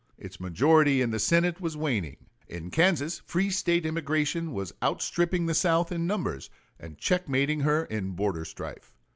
Its majority in the Senate was waning. In Kansas free State emigration was outstripping the South in numbers and checkmating her in border strife.